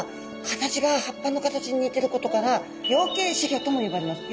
形が葉っぱの形に似てることから葉形仔魚とも呼ばれます。